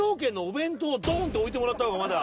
って置いてもらった方がまだ。